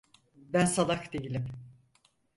Ben salak değilim.